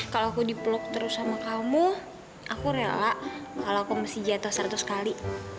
kalau aku dipeluk terus sama kamu aku rela kalau aku masih jatuh seratus kali